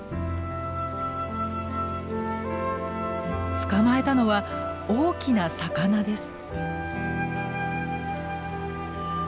捕まえたのは大きな魚です。